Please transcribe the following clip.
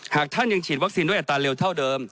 หากท่านยังฉีดวัคซีนด้วยอัตราเร็วเท่าเดิม